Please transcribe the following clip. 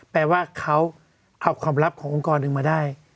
แปลว่าเขาเอาความลับขององค์กรอื่นมาได้